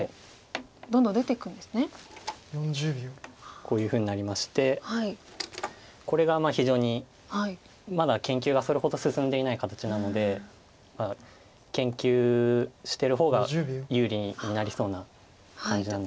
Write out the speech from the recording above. こういうふうになりましてこれが非常にまだ研究がそれほど進んでいない形なので研究してる方が有利になりそうな感じなんですけれども。